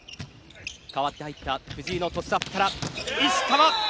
代わって入った藤井のトスアップから石川！